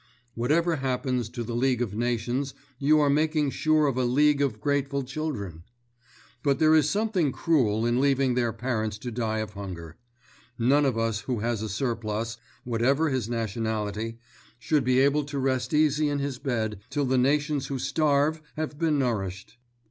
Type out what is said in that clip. Whatever happens to the League of Nations you are making sure of a League of Grateful Children. But there is something cruel in leaving their parents to die of hunger. None of us who has a surplus, whatever his nationality, should be able to rest easy in his bed, till the nations who starve have been nourished.